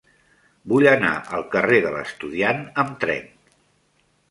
Vull anar al carrer de l'Estudiant amb tren.